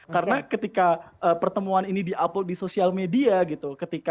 karena ketika pertemuan ini di upload di sosial media gitu